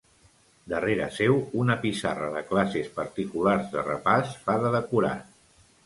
Darrere seu, una pissarra de classes particulars de repàs fa de decorat.